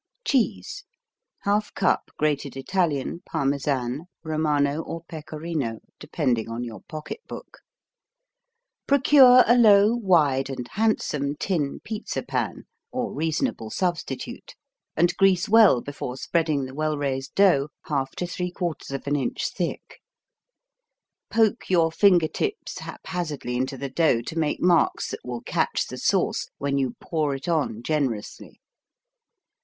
CHEESE 1/2 cup grated Italian, Parmesan, Romano or Pecorino, depending on your pocketbook Procure a low, wide and handsome tin pizza pan, or reasonable substitute, and grease well before spreading the well raised dough 1/2 to 3/4 inch thick. Poke your finger tips haphazardly into the dough to make marks that will catch the sauce when you pour it on generously.